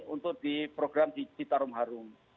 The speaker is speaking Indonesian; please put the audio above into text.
untuk di program di citarum harum